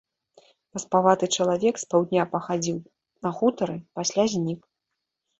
Васпаваты чалавек з паўдня пахадзіў на хутары, пасля знік.